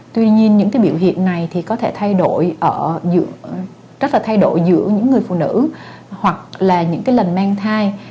tuy nhiên những biểu hiện này có thể thay đổi giữa những người phụ nữ hoặc là những lần mang thai